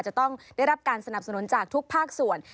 จะต้องได้รับการสนับสนุนจากทุกภาคส่วน